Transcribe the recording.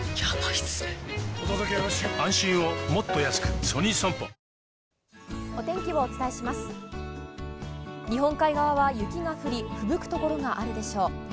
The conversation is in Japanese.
日本海側は雪が降りふぶくところがあるでしょう。